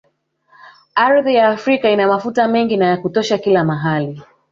Ardhi ya Afrika ina mafuta mengi na ya kutosha kila mahali